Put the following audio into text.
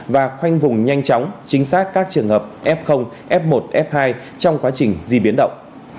và khoanh vùng nhanh chóng chính xác các trường hợp f f một f hai trong quá trình di biến động